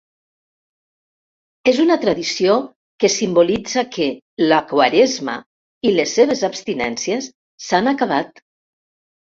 És una tradició que simbolitza que la Quaresma i les seves abstinències s'han acabat.